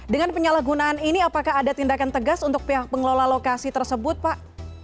dengan penyalahgunaan ini apakah ada tindakan tegas untuk pihak pengelola lokasi tersebut pak